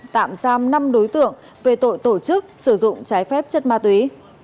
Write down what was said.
tạm giam năm đối tượng về tội tổ chức sử dụng trái phép chất ma túy